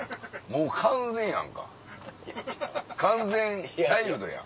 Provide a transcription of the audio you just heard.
もう完全やんか完全チャイルドやん。